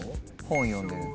本読んでる。